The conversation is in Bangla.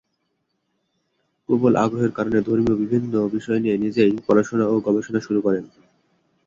প্রবল আগ্রহের কারণে ধর্মীয় বিভিন্ন বিষয় নিয়ে নিজেই পড়াশোনা ও গবেষণা শুরু করেন।